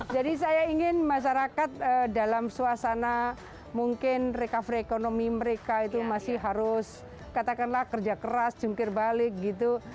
saya ingin masyarakat dalam suasana mungkin recovery ekonomi mereka itu masih harus katakanlah kerja keras jungkir balik gitu